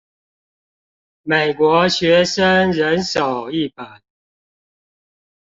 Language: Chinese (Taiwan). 美國學生人手一本